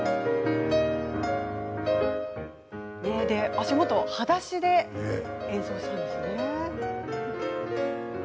足元はだしで演奏されたんですね。